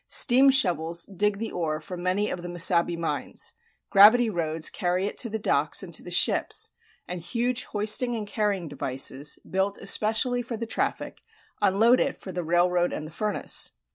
Steam shovels dig the ore from many of the Mesabi mines; gravity roads carry it to the docks and to the ships, and huge hoisting and carrying devices, built especially for the traffic, unload it for the railroad and the furnace.